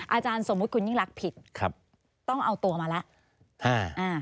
อาจารย์สมมุติคุณยิ่งรักผิดต้องเอาตัวมาแล้ว